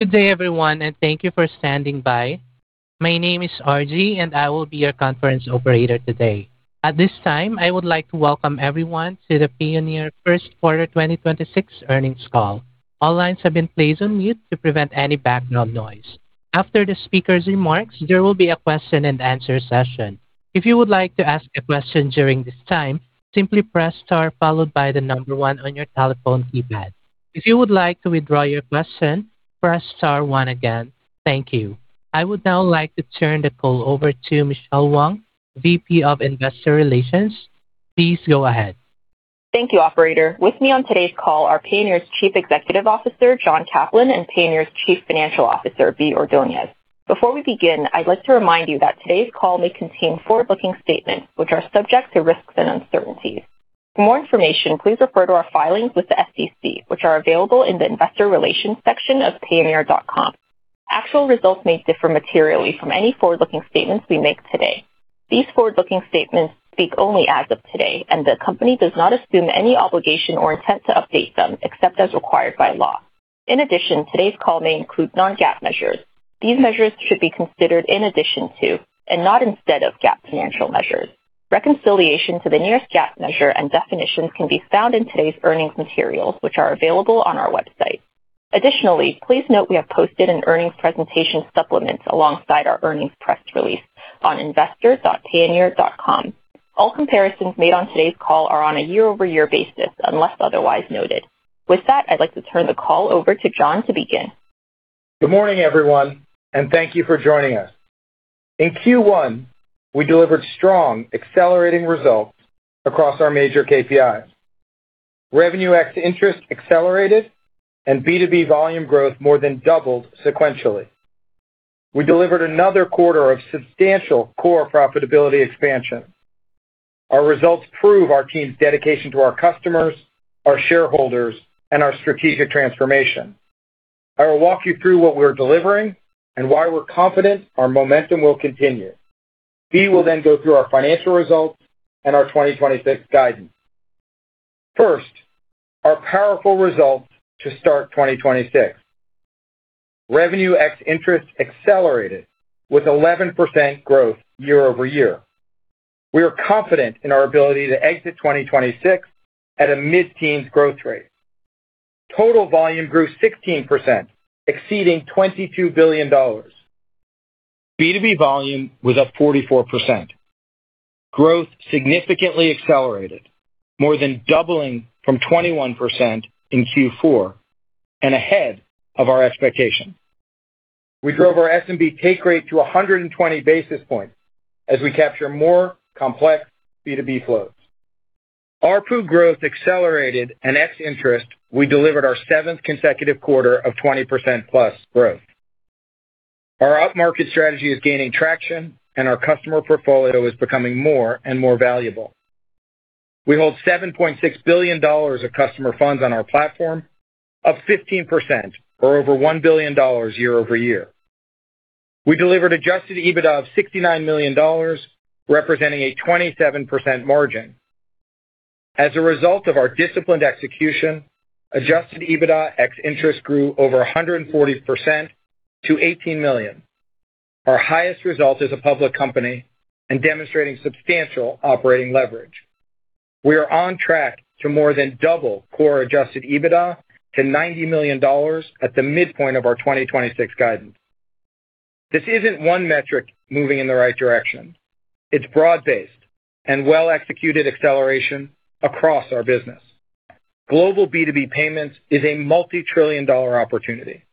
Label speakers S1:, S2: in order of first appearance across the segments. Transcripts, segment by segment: S1: Good day everyone, and thank you for standing by. My name is RG, and I will be your conference operator today. At this time, I would like to welcome everyone to the Payoneer Q1 2026 Earnings Call. All lines have been placed on mute to prevent any background noise. After the speaker's remarks, there will be a question and answer session. If you would like to ask a question during this time, simply press star followed by one on your telephone keypad. If you would like to withdraw your question, press star one again. Thank you. I would now like to turn the call over to Michelle Wang, VP of Investor Relations. Please go ahead.
S2: Thank you, operator. With me on today's call are Payoneer's Chief Executive Officer, John Caplan, and Payoneer's Chief Financial Officer, Bea Ordonez. Before we begin, I'd like to remind you that today's call may contain forward-looking statements which are subject to risks and uncertainties. For more information, please refer to our filings with the SEC, which are available in the investor relations section of payoneer.com. Actual results may differ materially from any forward-looking statements we make today. These forward-looking statements speak only as of today. The company does not assume any obligation or intent to update them except as required by law. In addition, today's call may include non-GAAP measures. These measures should be considered in addition to and not instead of GAAP financial measures. Reconciliation to the nearest GAAP measure and definitions can be found in today's earnings materials, which are available on our website. Additionally, please note we have posted an earnings presentation supplement alongside our earnings press release on investor.payoneer.com. All comparisons made on today's call are on a year-over-year basis unless otherwise noted. With that, I'd like to turn the call over to John to begin.
S3: Good morning, everyone. Thank you for joining us. In Q1, we delivered strong accelerating results across our major KPIs. Revenue ex-interest accelerated. B2B volume growth more than doubled sequentially. We delivered another quarter of substantial core profitability expansion. Our results prove our team's dedication to our customers, our shareholders, and our strategic transformation. I will walk you through what we're delivering and why we're confident our momentum will continue. Bea will go through our financial results and our 2026 guidance. First, our powerful results to start 2026. Revenue ex-interest accelerated with 11% growth year-over-year. We are confident in our ability to exit 2026 at a mid-teens growth rate. Total volume grew 16%, exceeding $22 billion. B2B volume was up 44%. Growth significantly accelerated, more than doubling from 21% in Q4 and ahead of our expectations. We drove our SMB take rate to 120 basis points as we capture more complex B2B flows. ARPU growth accelerated and ex-interest, we delivered our 7th consecutive quarter of 20% plus growth. Our upmarket strategy is gaining traction, and our customer portfolio is becoming more and more valuable. We hold $7.6 billion of customer funds on our platform, up 15% or over $1 billion year-over-year. We delivered Adjusted EBITDA of $69 million, representing a 27% margin. As a result of our disciplined execution, Adjusted EBITDA ex-interest grew over 140% to $18 million, our highest result as a public company and demonstrating substantial operating leverage. We are on track to more than double core Adjusted EBITDA to $90 million at the midpoint of our 2026 guidance. This isn't one metric moving in the right direction. It's broad-based and well-executed acceleration across our business. Global B2B payments is a multi-trillion dollar opportunity.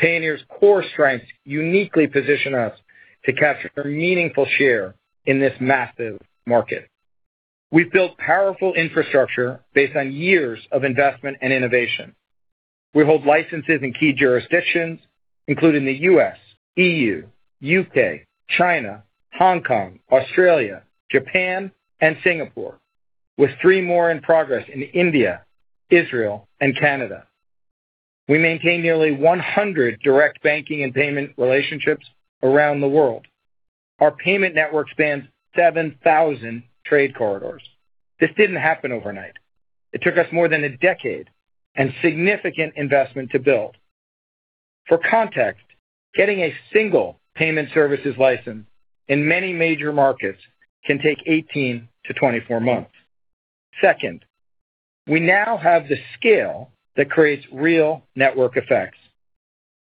S3: Payoneer's core strengths uniquely position us to capture meaningful share in this massive market. We've built powerful infrastructure based on years of investment and innovation. We hold licenses in key jurisdictions, including the U.S., E.U., U.K., China, Hong Kong, Australia, Japan, and Singapore, with three more in progress in India, Israel, and Canada. We maintain nearly 100 direct banking and payment relationships around the world. Our payment network spans 7,000 trade corridors. This didn't happen overnight. It took us more than a decade and significant investment to build. For context, getting a single payment services license in many major markets can take 18-24 months. Second, we now have the scale that creates real network effects.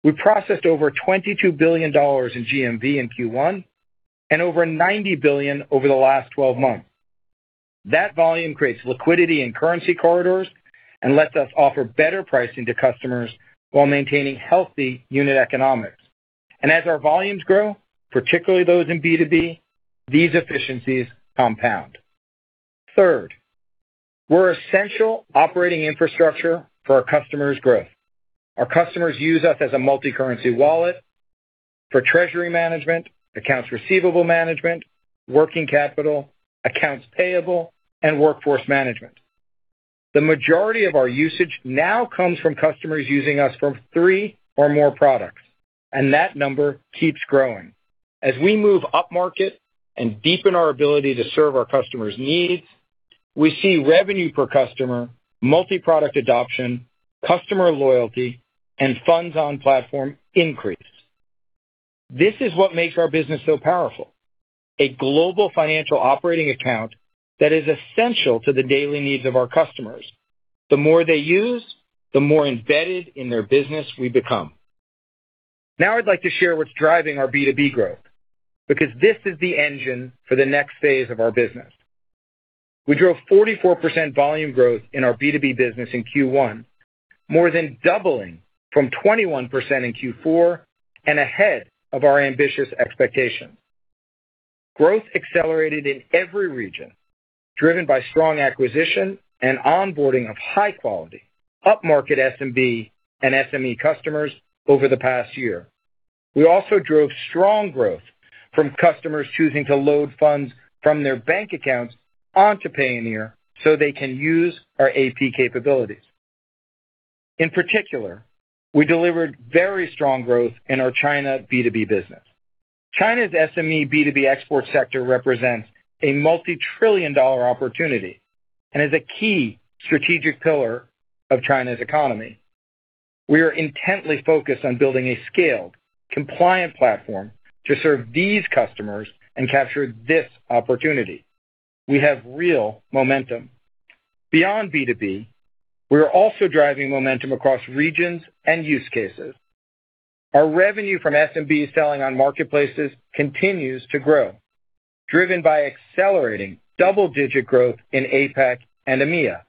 S3: We processed over $22 billion in GMV in Q1 and over $90 billion over the last 12 months. That volume creates liquidity in currency corridors and lets us offer better pricing to customers while maintaining healthy unit economics. As our volumes grow, particularly those in B2B, these efficiencies compound. Third, we're essential operating infrastructure for our customers' growth. Our customers use us as a multi-currency wallet for treasury management, accounts receivable management, working capital, accounts payable, and workforce management. The majority of our usage now comes from customers using us for three or more products. That number keeps growing. As we move upmarket and deepen our ability to serve our customers' needs, we see revenue per customer, multi-product adoption, customer loyalty, and funds on platform increase. This is what makes our business so powerful, a global financial operating account that is essential to the daily needs of our customers. The more they use, the more embedded in their business we become. I'd like to share what's driving our B2B growth because this is the engine for the next phase of our business. We drove 44% volume growth in our B2B business in Q1, more than doubling from 21% in Q4 and ahead of our ambitious expectations. Growth accelerated in every region, driven by strong acquisition and onboarding of high-quality upmarket SMB and SME customers over the past year. We also drove strong growth from customers choosing to load funds from their bank accounts onto Payoneer so they can use our AP capabilities. In particular, we delivered very strong growth in our China B2B business. China's SME B2B export sector represents a multi-trillion dollar opportunity and is a key strategic pillar of China's economy. We are intently focused on building a scaled, compliant platform to serve these customers and capture this opportunity. We have real momentum. Beyond B2B, we are also driving momentum across regions and use cases. Our revenue from SMB selling on marketplaces continues to grow, driven by accelerating double-digit growth in APAC and EMEA.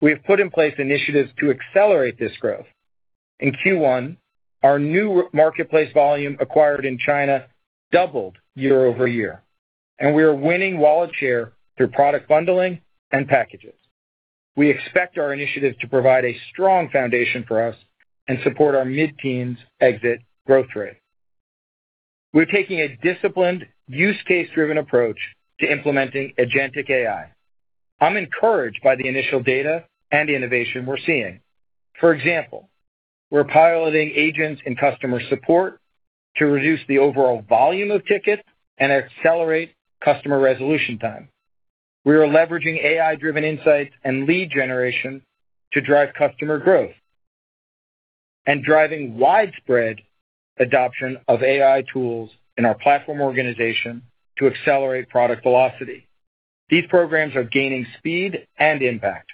S3: We have put in place initiatives to accelerate this growth. In Q1, our new marketplace volume acquired in China doubled year-over-year, and we are winning wallet share through product bundling and packages. We expect our initiatives to provide a strong foundation for us and support our mid-teens exit growth rate. We're taking a disciplined use case-driven approach to implementing agentic AI. I'm encouraged by the initial data and innovation we're seeing. For example, we're piloting agents and customer support to reduce the overall volume of tickets and accelerate customer resolution time. We are leveraging AI-driven insights and lead generation to drive customer growth and driving widespread adoption of AI tools in our platform organization to accelerate product velocity. These programs are gaining speed and impact.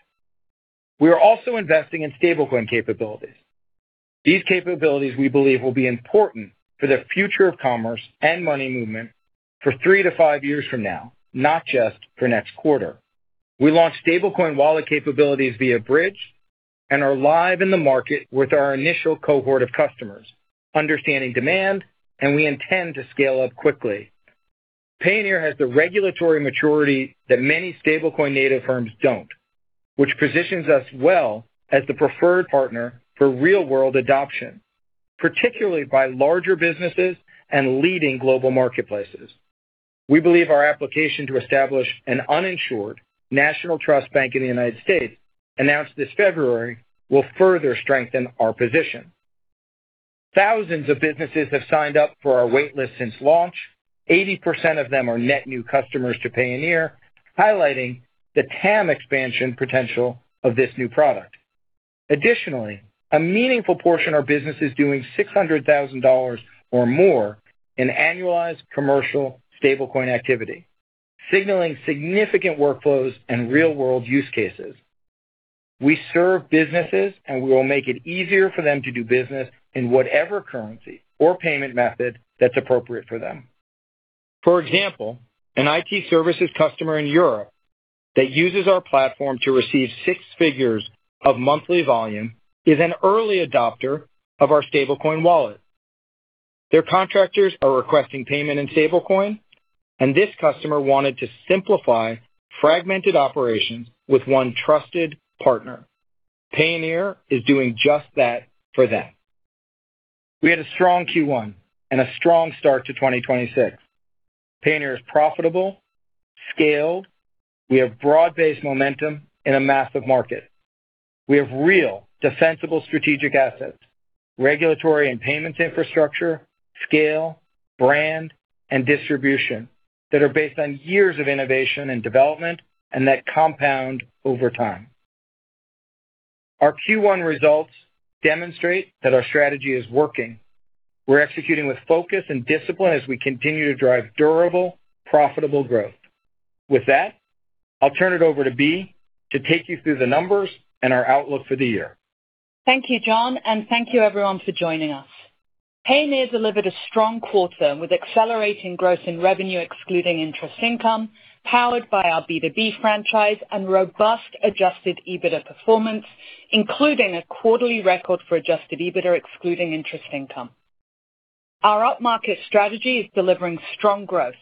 S3: We are also investing in stablecoin capabilities. These capabilities we believe will be important for the future of commerce and money movement for three to five years from now, not just for next quarter. We launched stablecoin wallet capabilities via Bridge and are live in the market with our initial cohort of customers, understanding demand, and we intend to scale up quickly. Payoneer has the regulatory maturity that many stablecoin native firms don't, which positions us well as the preferred partner for real-world adoption, particularly by larger businesses and leading global marketplaces. We believe our application to establish an uninsured national trust bank in the United States, announced this February, will further strengthen our position. Thousands of businesses have signed up for our waitlist since launch. 80% of them are net new customers to Payoneer, highlighting the TAM expansion potential of this new product. A meaningful portion of business is doing $600,000 or more in annualized commercial stablecoin activity, signaling significant workflows and real-world use cases. We serve businesses, we will make it easier for them to do business in whatever currency or payment method that's appropriate for them. For example, an IT services customer in Europe that uses our platform to receive six figures of monthly volume is an early adopter of our stablecoin wallet. Their contractors are requesting payment in stablecoin, this customer wanted to simplify fragmented operations with one trusted partner. Payoneer is doing just that for them. We had a strong Q1 and a strong start to 2026. Payoneer is profitable, scaled. We have broad-based momentum in a massive market. We have real defensible strategic assets, regulatory and payments infrastructure, scale, brand, and distribution that are based on years of innovation and development and that compound over time. Our Q1 results demonstrate that our strategy is working. We're executing with focus and discipline as we continue to drive durable, profitable growth. With that, I'll turn it over to Bea to take you through the numbers and our outlook for the year.
S4: Thank you, John, and thank you everyone for joining us. Payoneer delivered a strong quarter with accelerating growth in revenue, excluding interest income, powered by our B2B franchise and robust Adjusted EBITDA performance, including a quarterly record forAdjusted EBITDA, excluding interest income. Our upmarket strategy is delivering strong growth.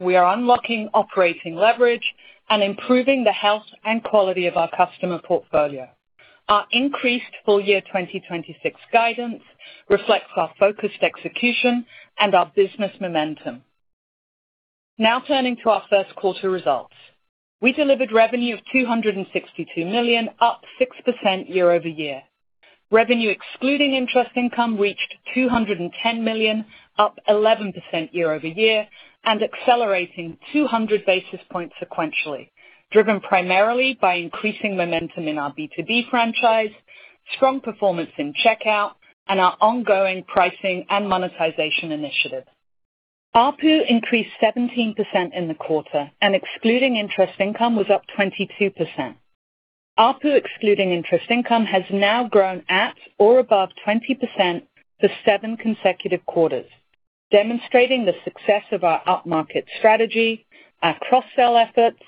S4: We are unlocking operating leverage and improving the health and quality of our customer portfolio. Our increased full year 2026 guidance reflects our focused execution and our business momentum. Turning to our Q1 results. We delivered revenue of $262 million, up 6% year-over-year. Revenue excluding interest income reached $210 million, up 11% year-over-year and accelerating 200 basis points sequentially, driven primarily by increasing momentum in our B2B franchise, strong performance in Checkout, and our ongoing pricing and monetization initiatives. ARPU increased 17% in the quarter, and excluding interest income was up 22%. ARPU excluding interest income has now grown at or above 20% for seven consecutive quarters, demonstrating the success of our up-market strategy, our cross-sell efforts,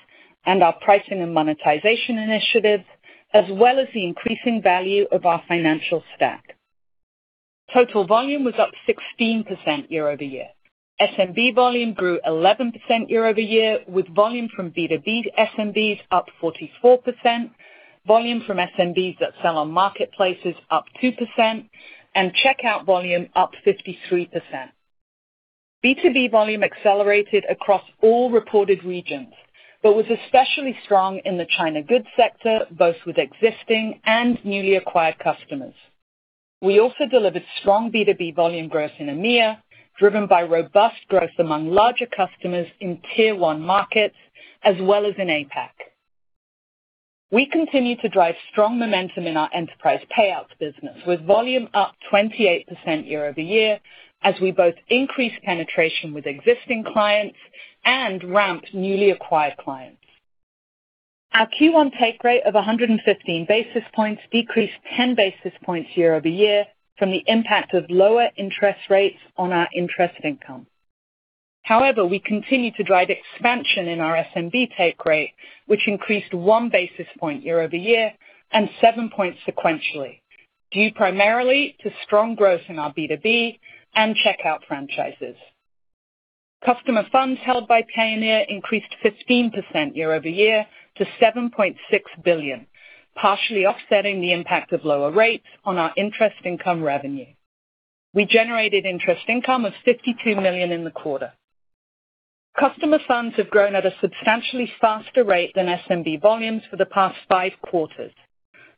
S4: and our pricing and monetization initiatives, as well as the increasing value of our financial stack. Total volume was up 16% year-over-year. SMB volume grew 11% year-over-year, with volume from B2B SMBs up 44%, volume from SMBs that sell on marketplaces up 2%, and checkout volume up 53%. B2B volume accelerated across all reported regions, but was especially strong in the China goods sector, both with existing and newly acquired customers. We also delivered strong B2B volume growth in EMEA, driven by robust growth among larger customers in tier one markets as well as in APAC. We continue to drive strong momentum in our enterprise payouts business, with volume up 28% year-over-year as we both increase penetration with existing clients and ramp newly acquired clients. Our Q1 take rate of 115 basis points decreased 10 basis points year-over-year from the impact of lower interest rates on our interest income. We continue to drive expansion in our SMB take rate, which increased 1 basis point year-over-year and 7 points sequentially, due primarily to strong growth in our B2B and checkout franchises. Customer funds held by Payoneer increased 15% year-over-year to $7.6 billion, partially offsetting the impact of lower rates on our interest income revenue. We generated interest income of $52 million in the quarter. Customer funds have grown at a substantially faster rate than SMB volumes for the past five quarters.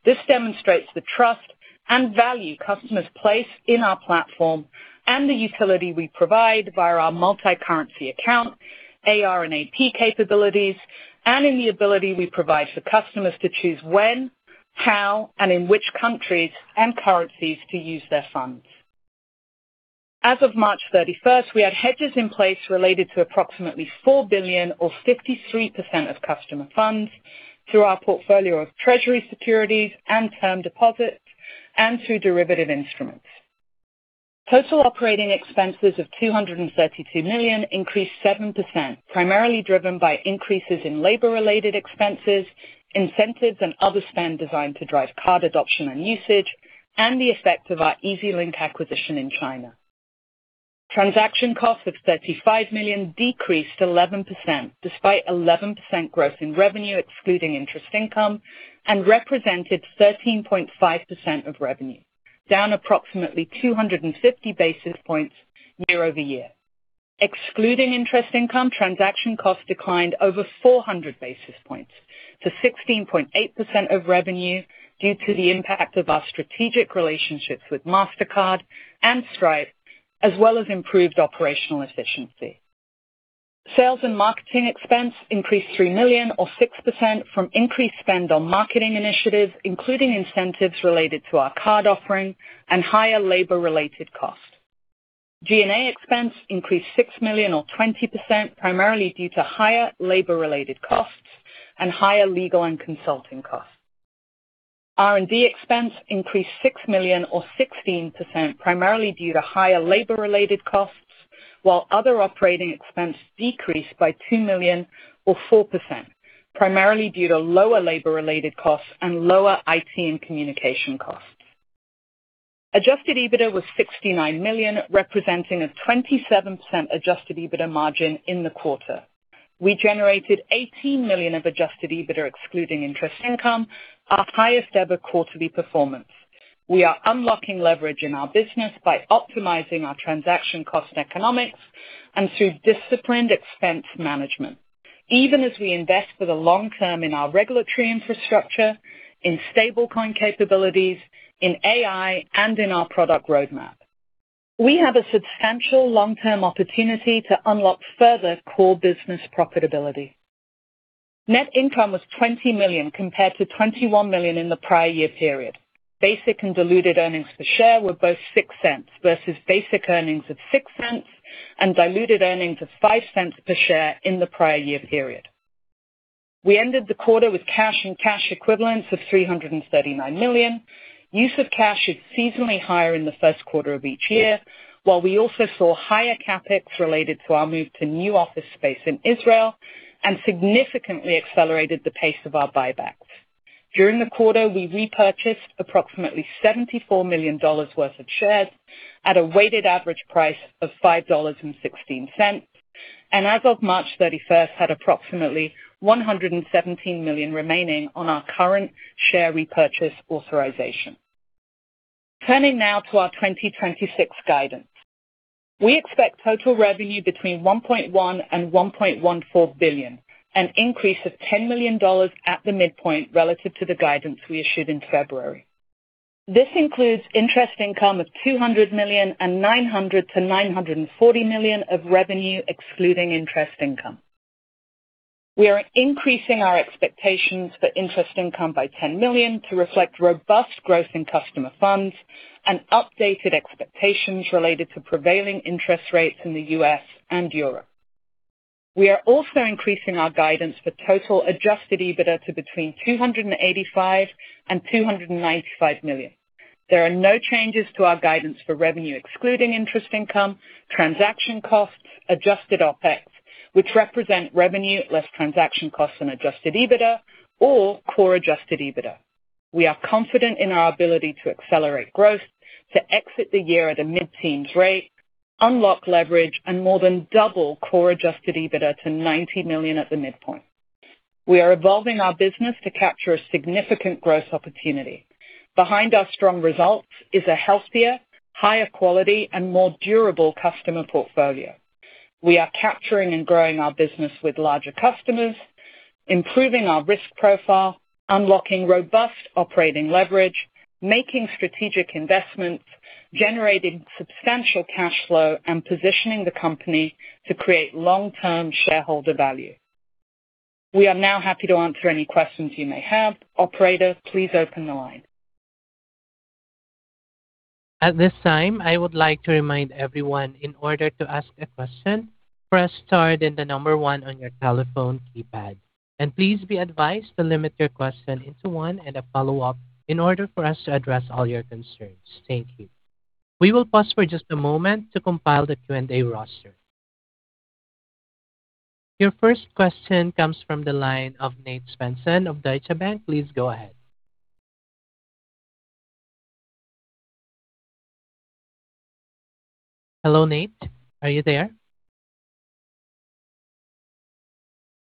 S4: This demonstrates the trust and value customers place in our platform and the utility we provide via our multi-currency account, AR and AP capabilities, and in the ability we provide for customers to choose when, how, and in which countries and currencies to use their funds. As of March 31st, we had hedges in place related to approximately $4 billion or 53% of customer funds through our portfolio of treasury securities and term deposits and through derivative instruments. Total operating expenses of $232 million increased 7%, primarily driven by increases in labor-related expenses, incentives, and other spend designed to drive card adoption and usage, and the effect of our Easylink acquisition in China. Transaction costs of $35 million decreased 11% despite 11% growth in revenue excluding interest income and represented 13.5% of revenue, down approximately 250 basis points year-over-year. Excluding interest income, transaction costs declined over 400 basis points to 16.8% of revenue due to the impact of our strategic relationships with Mastercard and Stripe, as well as improved operational efficiency. Sales and marketing expense increased $3 million or 6% from increased spend on marketing initiatives, including incentives related to our card offering and higher labor related costs. G&A expense increased $6 million or 20% primarily due to higher labor related costs and higher legal and consulting costs. R&D expense increased $6 million or 16% primarily due to higher labor related costs, while other operating expenses decreased by $2 million or 4%, primarily due to lower labor related costs and lower IT and communication costs. Adjusted EBITDA was $69 million, representing a 27% Adjusted EBITDA margin in the quarter. We generated $18 million of Adjusted EBITDA excluding interest income, our highest-ever quarterly performance. We are unlocking leverage in our business by optimizing our transaction cost economics and through disciplined expense management, even as we invest for the long term in our regulatory infrastructure, in stablecoin capabilities, in AI, and in our product roadmap. We have a substantial long-term opportunity to unlock further core business profitability. Net income was $20 million compared to $21 million in the prior year period. Basic and diluted earnings per share were both $0.06 versus basic earnings of $0.06 and diluted earnings of $0.05 per share in the prior year period. We ended the quarter with cash and cash equivalents of $339 million. Use of cash is seasonally higher in the Q1 of each year. While we also saw higher CapEx related to our move to new office space in Israel and significantly accelerated the pace of our buybacks. During the quarter, we repurchased approximately $74 million worth of shares at a weighted average price of $5.16, and as of March 31st, had approximately $117 million remaining on our current share repurchase authorization. Turning now to our 2026 guidance. We expect total revenue between $1.1 billion and $1.14 billion, an increase of $10 million at the midpoint relative to the guidance we issued in February. This includes interest income of $200 million and $900 million-$940 million of revenue, excluding interest income. We are increasing our expectations for interest income by $10 million to reflect robust growth in customer funds and updated expectations related to prevailing interest rates in the U.S. and Europe. We are also increasing our guidance for total Adjusted EBITDA to between $285 million and $295 million. There are no changes to our guidance for revenue excluding interest income, transaction costs, adjusted OpEx, which represent revenue less transaction costs and Adjusted EBITDA or core Adjusted EBITDA. We are confident in our ability to accelerate growth to exit the year at a mid-teen rate, unlock leverage and more than double core Adjusted EBITDA to $90 million at the midpoint. We are evolving our business to capture a significant growth opportunity. Behind our strong results is a healthier, higher quality and more durable customer portfolio. We are capturing and growing our business with larger customers, improving our risk profile, unlocking robust operating leverage, making strategic investments, generating substantial cash flow and positioning the company to create long-term shareholder value. We are now happy to answer any questions you may have. Operator, please open the line.
S1: At this time, I would like to remind everyone in order to ask a question, press star then the number one on your telephone keypad. Please be advised to limit your question into one and a follow-up in order for us to address all your concerns. Thank you. We will pause for just a moment to compile the Q&A roster. Your first question comes from the line of Nate Svensson of Deutsche Bank. Please go ahead. Hello, Nate. Are you there?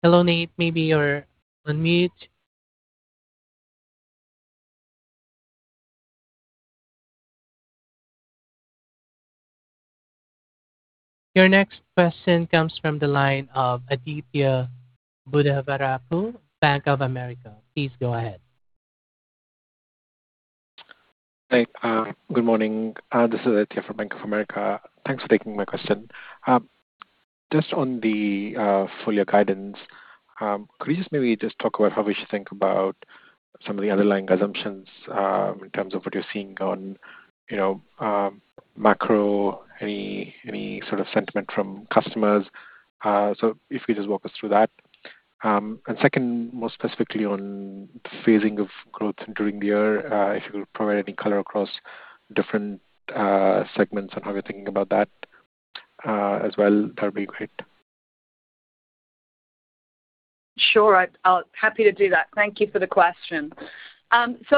S1: Hello, Nate. Maybe you're on mute. Your next question comes from the line of Aditya Buddhavarapu, Bank of America. Please go ahead.
S5: Hi, good morning. This is Aditya from Bank of America. Thanks for taking my question. Just on the full year guidance, could you just maybe just talk about how we should think about some of the underlying assumptions, in terms of what you're seeing on macro, any sort of sentiment from customers. If you just walk us through that. Second, more specifically on the phasing of growth during the year, if you could provide any color across different segments on how you're thinking about that as well, that'd be great.
S4: Sure. I'll happy to do that. Thank you for the question.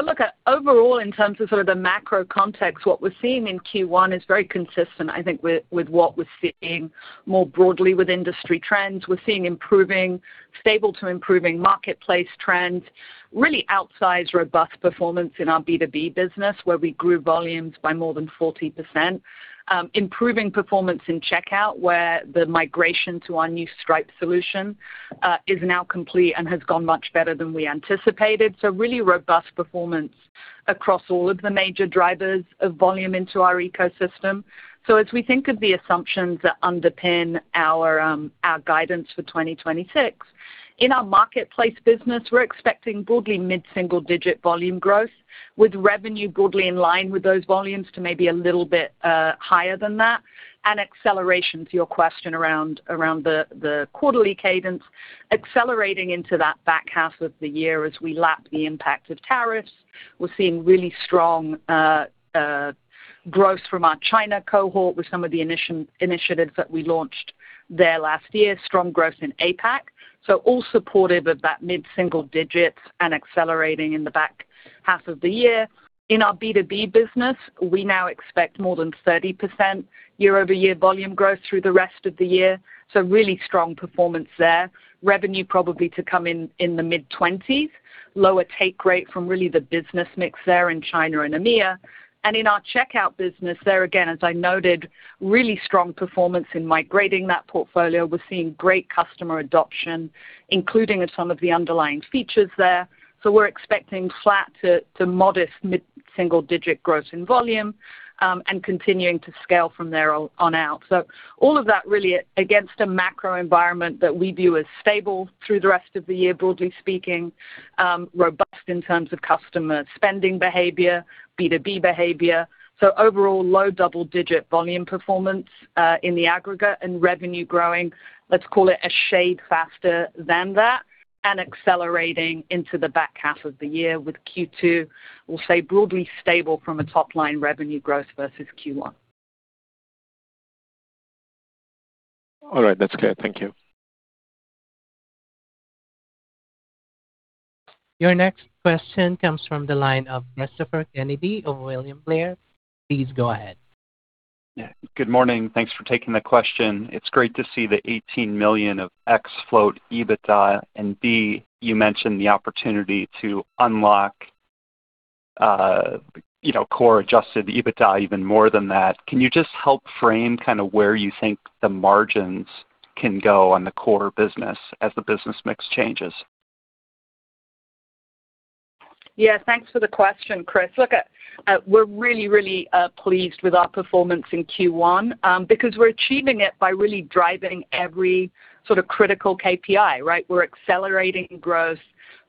S4: Look, overall, in terms of sort of the macro context, what we're seeing in Q1 is very consistent, I think with what we're seeing more broadly with industry trends. We're seeing improving stable to improving marketplace trends, really outsized, robust performance in our B2B business, where we grew volumes by more than 40%. Improving performance in Checkout, where the migration to our new Stripe solution is now complete and has gone much better than we anticipated. Really robust performance across all of the major drivers of volume into our ecosystem. As we think of the assumptions that underpin our guidance for 2026, in our marketplace business, we're expecting broadly mid-single-digit volume growth, with revenue broadly in line with those volumes to maybe a little bit higher than that. Acceleration to your question around the quarterly cadence, accelerating into that back half of the year as we lap the impact of tariffs. We're seeing really strong growth from our China cohort with some of the initiatives that we launched there last year. Strong growth in APAC. All supportive of that mid-single digits and accelerating in the back half of the year. In our B2B business, we now expect more than 30% year-over-year volume growth through the rest of the year. Really strong performance there. Revenue probably to come in the mid-20s. Lower take rate from really the business mix there in China and EMEA. In our checkout business there, again, as I noted, really strong performance in migrating that portfolio. We're seeing great customer adoption, including some of the underlying features there. We're expecting flat to modest mid-single digit growth in volume, and continuing to scale from there on out. All of that really against a macro environment that we view as stable through the rest of the year, broadly speaking, robust in terms of customer spending behavior, B2B behavior. overall low double-digit volume performance, in the aggregate and revenue growing, let's call it a shade faster than that and accelerating into the back half of the year with Q2, we'll say broadly stable from a top line revenue growth versus Q1.
S5: All right. That's clear. Thank you.
S1: Your next question comes from the line of Cristopher Kennedy of William Blair. Please go ahead.
S6: Yeah. Good morning. Thanks for taking the question. It's great to see the $18 million of X float EBITDA. Bea, you mentioned the opportunity to unlock, you know, core Adjusted EBITDA even more than that. Can you just help frame kinda where you think the margins can go on the core business as the business mix changes?
S4: Yeah. Thanks for the question, Cris. We're really pleased with our performance in Q1 because we're achieving it by really driving every sort of critical KPI, right? We're accelerating growth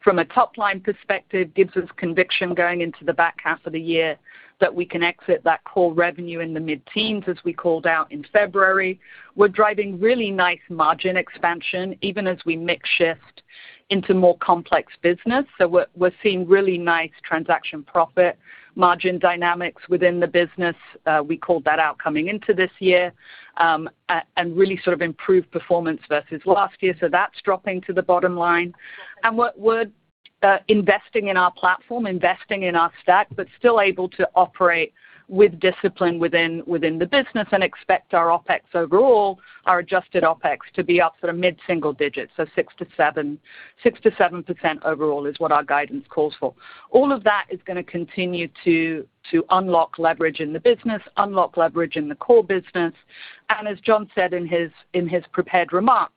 S4: from a top-line perspective, gives us conviction going into the back half of the year that we can exit that core revenue in the mid-teens, as we called out in February. We're driving really nice margin expansion, even as we mix shift into more complex business. We're seeing really nice transaction profit margin dynamics within the business, we called that out coming into this year, and really sort of improved performance versus last year. That's dropping to the bottom line. We're investing in our platform, investing in our stack, but still able to operate with discipline within the business and expect our OpEx overall, our adjusted OpEx to be up sort of mid-single digits. 6%-7%, 6%-7% overall is what our guidance calls for. All of that is gonna continue to unlock leverage in the business, unlock leverage in the core business. As John said in his prepared remarks,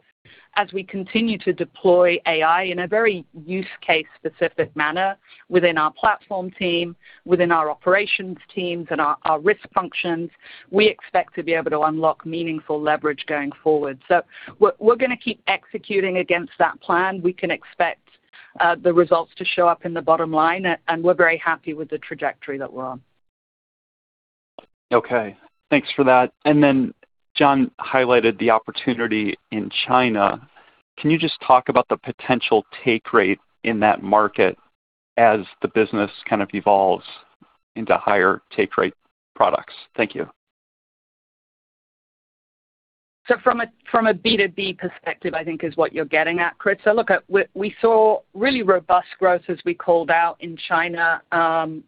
S4: as we continue to deploy AI in a very use case specific manner within our platform team, within our operations teams and our risk functions, we expect to be able to unlock meaningful leverage going forward. We're gonna keep executing against that plan. We can expect the results to show up in the bottom line, and we're very happy with the trajectory that we're on.
S6: Okay. Thanks for that. John highlighted the opportunity in China. Can you just talk about the potential take rate in that market as the business kind of evolves into higher take rate products? Thank you.
S4: From a B2B perspective, I think is what you're getting at, Cris. We saw really robust growth as we called out in China,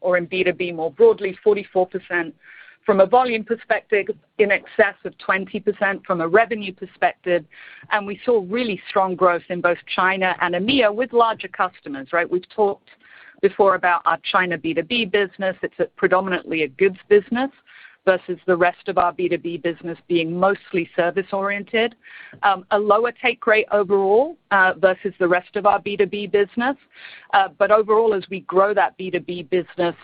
S4: or in B2B more broadly, 44%. From a volume perspective, in excess of 20%. From a revenue perspective, we saw really strong growth in both China and EMEA with larger customers, right? We've talked before about our China B2B business. It's a predominantly a goods business versus the rest of our B2B business being mostly service-oriented. A lower take rate overall versus the rest of our B2B business. Overall, as we grow that B2B business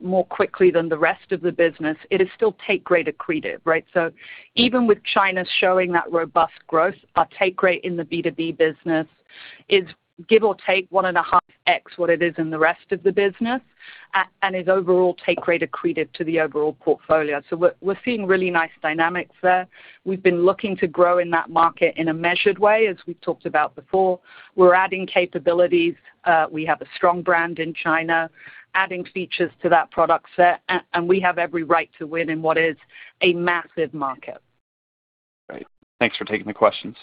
S4: more quickly than the rest of the business, it is still take rate accretive, right? Even with China showing that robust growth, our take rate in the B2B business is, give or take, 1.5x what it is in the rest of the business, is overall take rate accretive to the overall portfolio. We're seeing really nice dynamics there. We've been looking to grow in that market in a measured way, as we've talked about before. We're adding capabilities. We have a strong brand in China, adding features to that product set, we have every right to win in what is a massive market.
S6: Great. Thanks for taking the questions.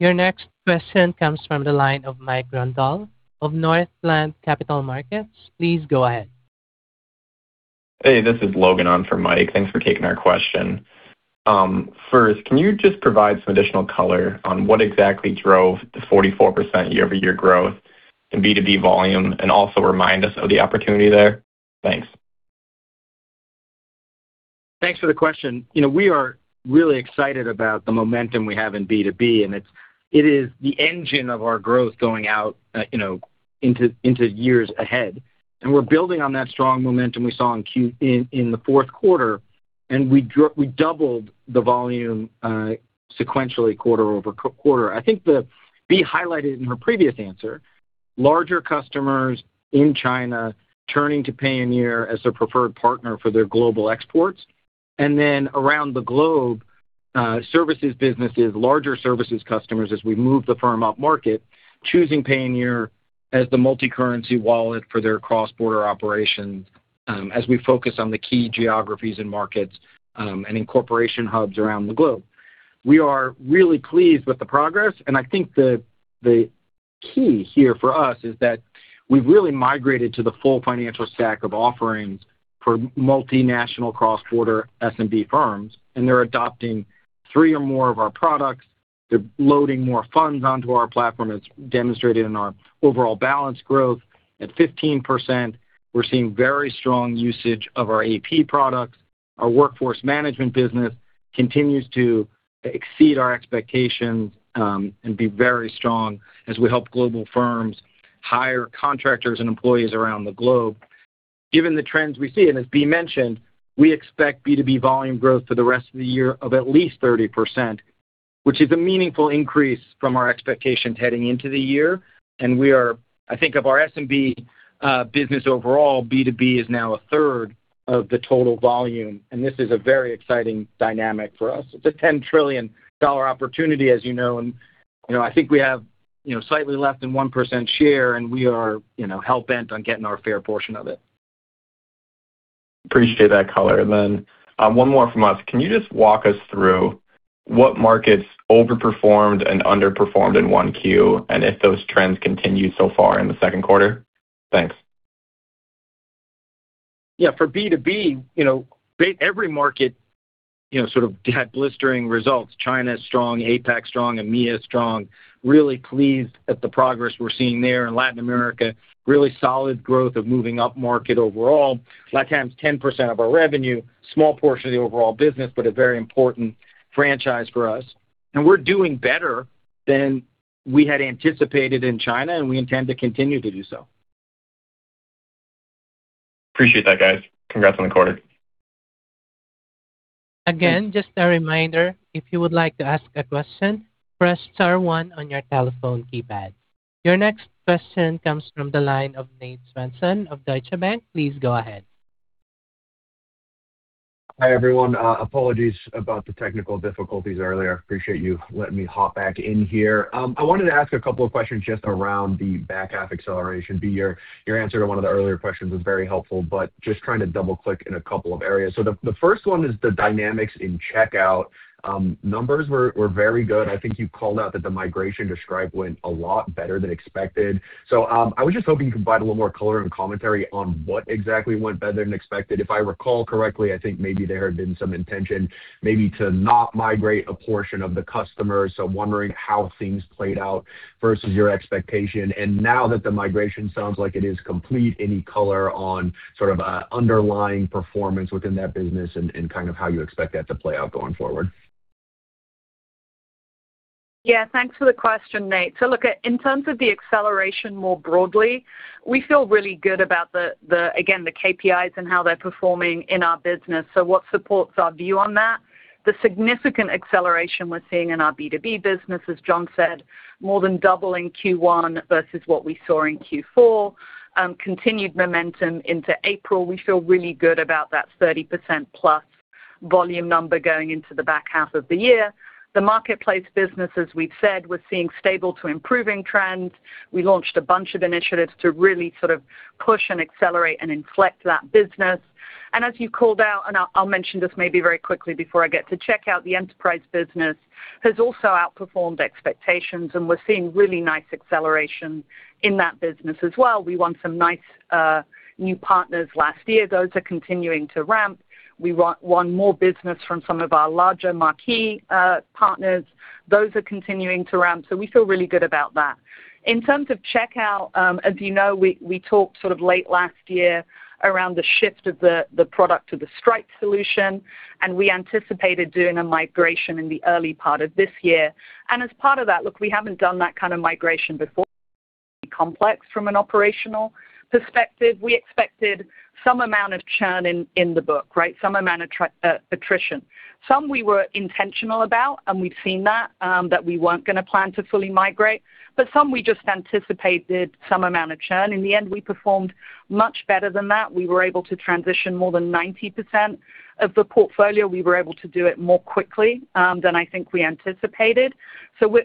S1: Your next question comes from the line of Mike Grondahl of Northland Capital Markets. Please go ahead.
S7: Hey, this is Logan on for Mike. Thanks for taking our question. First, can you just provide some additional color on what exactly drove the 44% year-over-year growth in B2B volume, and also remind us of the opportunity there? Thanks.
S3: Thanks for the question. You know, we are really excited about the momentum we have in B2B, and it is the engine of our growth going out, you know, into years ahead. We're building on that strong momentum we saw in the Q4, we doubled the volume sequentially quarter-over-quarter. I think Bea highlighted in her previous answer, larger customers in China turning to Payoneer as their preferred partner for their global exports. Around the globe, services businesses, larger services customers as we move the firm upmarket, choosing Payoneer as the multicurrency wallet for their cross-border operations, as we focus on the key geographies and markets, and incorporation hubs around the globe. We are really pleased with the progress, I think the key here for us is that we've really migrated to the full financial stack of offerings for multinational cross-border SMB firms, they're adopting three or more of our products. They're loading more funds onto our platform, as demonstrated in our overall balance growth at 15%. We're seeing very strong usage of our AP products. Our workforce management business continues to exceed our expectations, be very strong as we help global firms hire contractors and employees around the globe. Given the trends we see, as Bea mentioned, we expect B2B volume growth for the rest of the year of at least 30%, which is a meaningful increase from our expectations heading into the year. We are, I think of our SMB business overall, B2B is now a third of the total volume, and this is a very exciting dynamic for us. It's a $10 trillion opportunity, as you know, and, you know, I think we have, you know, slightly less than 1% share, and we are, you know, hell-bent on getting our fair portion of it.
S7: Appreciate that color. One more from us. Can you just walk us through what markets overperformed and underperformed in 1Q, and if those trends continue so far in the Q2?
S3: Thanks. Yeah, for B2B, you know, every market, you know, sort of had blistering results. China is strong, APAC strong, EMEA strong. Really pleased at the progress we're seeing there in Latin America. Really solid growth of moving upmarket overall. LATAM's 10% of our revenue, small portion of the overall business, but a very important franchise for us. We're doing better than we had anticipated in China, and we intend to continue to do so.
S7: Appreciate that, guys. Congrats on the quarter.
S1: Just a reminder, if you would like to ask a question, press star one on your telephone keypad. Your next question comes from the line of Nate Svensson of Deutsche Bank. Please go ahead.
S8: Hi, everyone. Apologies about the technical difficulties earlier. Appreciate you letting me hop back in here. I wanted to ask a couple of questions just around the back half acceleration. Bea, your answer to one of the earlier questions was very helpful, but just trying to double-click in a couple of areas. The first one is the dynamics in checkout. Numbers were very good. I think you called out that the migration to Stripe went a lot better than expected. I was just hoping you could provide a little more color and commentary on what exactly went better than expected. If I recall correctly, I think maybe there had been some intention maybe to not migrate a portion of the customers. Wondering how things played out versus your expectation. Now that the migration sounds like it is complete, any color on sort of, underlying performance within that business and kind of how you expect that to play out going forward?
S4: Thanks for the question, Nate. Look, in terms of the acceleration more broadly, we feel really good about the again, the KPIs and how they're performing in our business. What supports our view on that? The significant acceleration we're seeing in our B2B business, as John said, more than doubling Q1 versus what we saw in Q4. Continued momentum into April. We feel really good about that 30%+ volume number going into the back half of the year. The marketplace business, as we've said, we're seeing stable to improving trends. We launched a bunch of initiatives to really sort of push and accelerate and inflect that business. As you called out, I'll mention this maybe very quickly before I get to checkout, the enterprise business has also outperformed expectations, and we're seeing really nice acceleration in that business as well. We won some nice new partners last year. Those are continuing to ramp. We won more business from some of our larger marquee partners. Those are continuing to ramp. We feel really good about that. In terms of checkout, as you know, we talked sort of late last year around the shift of the product to the Stripe solution, and we anticipated doing a migration in the early part of this year. As part of that, look, we haven't done that kind of migration before. Complex from an operational perspective. We expected some amount of churn in the book, right? Some amount of attrition. Some we were intentional about, and we've seen that we weren't gonna plan to fully migrate, but some we just anticipated some amount of churn. In the end, we performed much better than that. We were able to transition more than 90% of the portfolio. We were able to do it more quickly than I think we anticipated.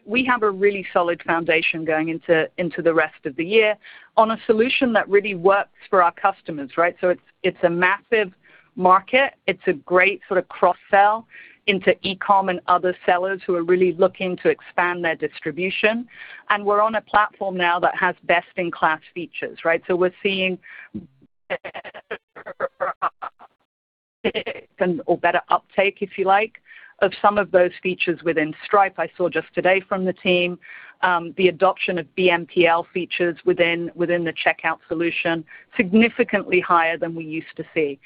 S4: We have a really solid foundation going into the rest of the year on a solution that really works for our customers, right? It's a massive market. It's a great sort of cross-sell into e-com and other sellers who are really looking to expand their distribution. We're on a platform now that has best-in-class features, right? We're seeing better uptake, if you like, of some of those features within Stripe. I saw just today from the team, the adoption of BNPL features within the checkout solution, significantly higher than we used to see.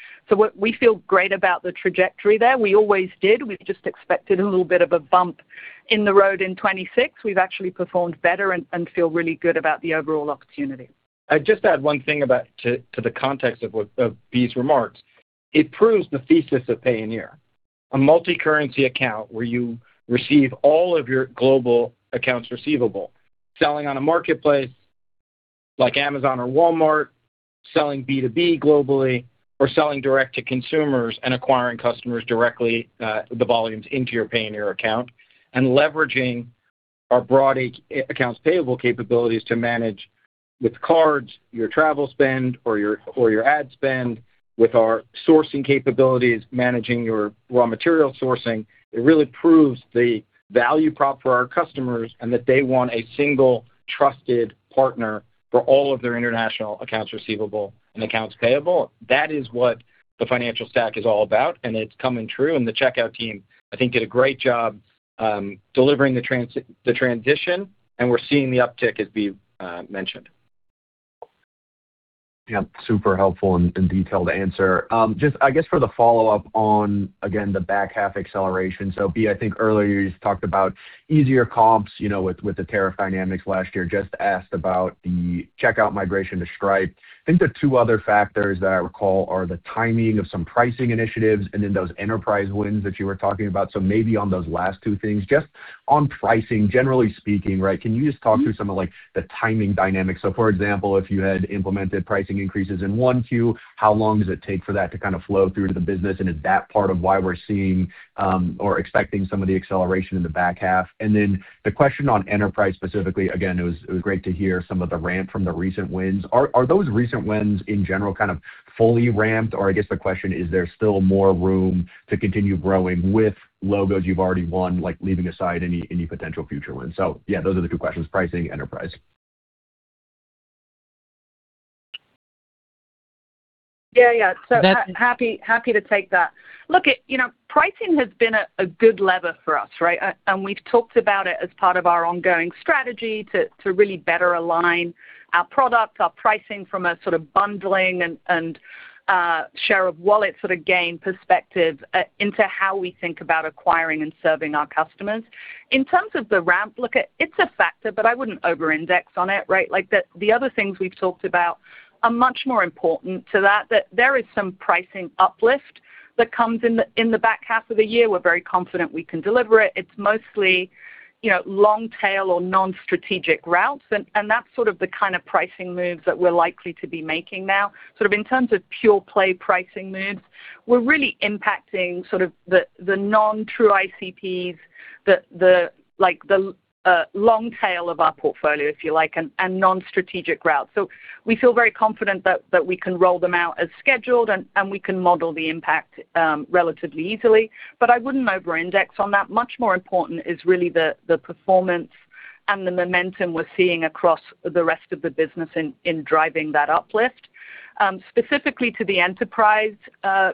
S4: We feel great about the trajectory there. We always did. We just expected a little bit of a bump in the road in 2026. We've actually performed better and feel really good about the overall opportunity.
S3: I'd just add one thing to the context of Bea's remarks. It proves the thesis of Payoneer, a multi-currency account where you receive all of your global accounts receivable, selling on a marketplace like Amazon or Walmart, selling B2B globally, or selling direct to consumers and acquiring customers directly, the volumes into your Payoneer account, and leveraging our broad accounts payable capabilities to manage with cards, your travel spend or your ad spend with our sourcing capabilities, managing your raw material sourcing. It really proves the value prop for our customers, and that they want a single trusted partner for all of their international accounts receivable and accounts payable. That is what the financial stack is all about, and it's coming true. The Checkout team, I think, did a great job, delivering the transition, and we're seeing the uptick as Bea mentioned.
S8: Yeah. Super helpful and detailed answer. Just I guess for the follow-up on again the back half acceleration. Bea, I think earlier you talked about easier comps, you know, with the tariff dynamics last year. Just asked about the checkout migration to Stripe. I think the two other factors that I recall are the timing of some pricing initiatives and then those enterprise wins that you were talking about. Maybe on those last two things. Just on pricing, generally speaking, right, can you just talk through some of, like, the timing dynamics? For example, if you had implemented pricing increases in 1Q, how long does it take for that to kind of flow through to the business? Is that part of why we're seeing or expecting some of the acceleration in the back half? The question on enterprise specifically, again, it was great to hear some of the ramp from the recent wins. Are those recent wins in general kind of fully ramped? I guess the question, is there still more room to continue growing with logos you've already won, like leaving aside any potential future wins? Yeah, those are the two questions, pricing, enterprise.
S4: Yeah, yeah. Happy to take that. Look at, you know, pricing has been a good lever for us, right? We've talked about it as part of our ongoing strategy to really better align our product, our pricing from a sort of bundling and share of wallet sort of gain perspective into how we think about acquiring and serving our customers. In terms of the ramp, look at, it's a factor, but I wouldn't over-index on it, right? Like the other things we've talked about are much more important to that there is some pricing uplift that comes in the back half of the year. We're very confident we can deliver it. It's mostly, you know, long tail or non-strategic routes. That's sort of the kind of pricing moves that we're likely to be making now. Sort of in terms of pure play pricing moves, we're really impacting the non-true ICPs, the like the long tail of our portfolio, if you like, and non-strategic routes. We feel very confident that we can roll them out as scheduled, and we can model the impact relatively easily. I wouldn't over-index on that. Much more important is really the performance and the momentum we're seeing across the rest of the business in driving that uplift. Specifically to the enterprise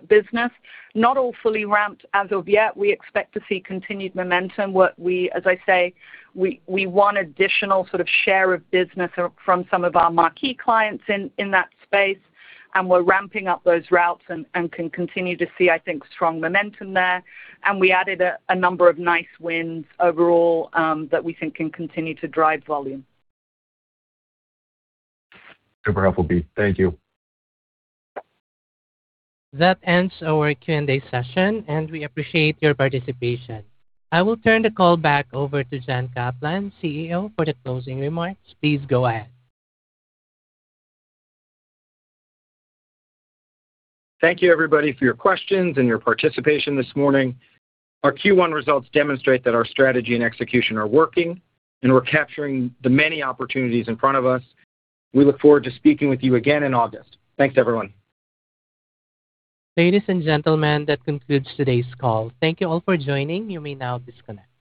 S4: business, not all fully ramped as of yet. We expect to see continued momentum. As I say, we want additional sort of share of business or from some of our marquee clients in that space, we're ramping up those routes and can continue to see, I think, strong momentum there. We added a number of nice wins overall that we think can continue to drive volume.
S8: Super helpful, Bea. Thank you.
S1: That ends our Q&A session, and we appreciate your participation. I will turn the call back over to John Caplan, CEO, for the closing remarks. Please go ahead.
S3: Thank you everybody for your questions and your participation this morning. Our Q1 results demonstrate that our strategy and execution are working, and we're capturing the many opportunities in front of us. We look forward to speaking with you again in August. Thanks, everyone.
S1: Ladies and gentlemen, that concludes today's call. Thank you all for joining. You may now disconnect.